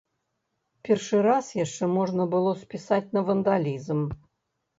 Першы раз яшчэ можна было спісаць на вандалізм.